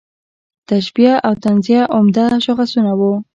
تشبیه او تنزیه عمده شاخصونه وو.